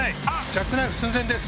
ジャックナイフ寸前です。